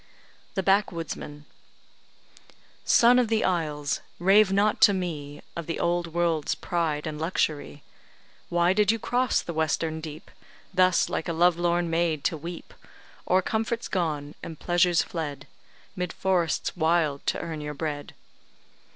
THE BACKWOODSMAN Son of the isles! rave not to me Of the old world's pride and luxury; Why did you cross the western deep, Thus like a love lorn maid to weep O'er comforts gone and pleasures fled, 'Mid forests wild to earn your bread?